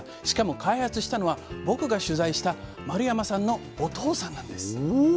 しかも開発したのは僕が取材した丸山さんのお父さんなんです。